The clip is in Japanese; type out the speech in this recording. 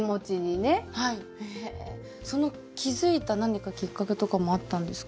へえその気付いた何かきっかけとかもあったんですか？